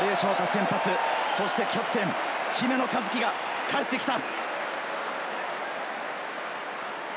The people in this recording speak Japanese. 先発、そしてキャプテン・姫野和樹が帰ってきた。